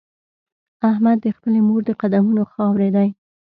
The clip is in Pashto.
احمد د خپلې مور د قدمونو خاورې دی.